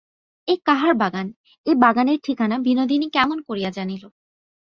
এ কাহার বাগান, এ বাগানের ঠিকানা বিনোদিনী কেমন করিয়া জানিল।